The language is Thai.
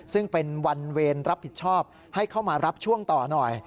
ซึ่งเป็นวันเวรรับผิดชอบให้เข้ามารับช่วงต่อหน่อย